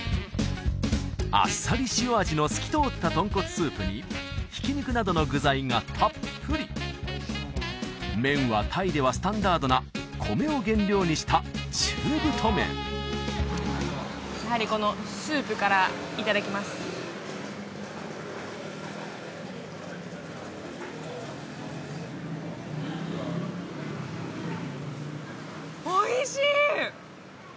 あっさり塩味の透き通った豚骨スープにひき肉などの具材がたっぷり麺はタイではスタンダードな米を原料にした中太麺やはりこのスープからいただきますおいしい！